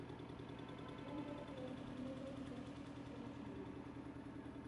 بۇ گەپ بىلەن ھەممەيلەن بىر سۈكۈتكە چۆمدى.